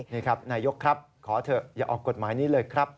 นี่ครับนายกครับขอเถอะอย่าออกกฎหมายนี้เลยครับ